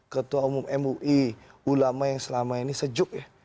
ketua umum mui ulama yang selama ini sejuk ya